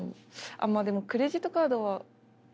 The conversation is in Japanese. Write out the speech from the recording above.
あっまあでもクレジットカードは６７回。